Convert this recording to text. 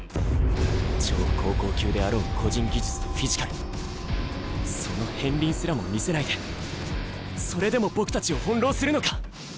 超高校級であろう個人技術とフィジカルその片りんすらも見せないでそれでも僕たちを翻弄するのか。